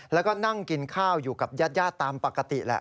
แล้วก็นั่งกินข้าวอยู่กับญาติตามปกติแหละ